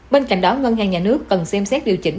bên cạnh đó ngân hàng nhà nước cần xem xét điều chỉnh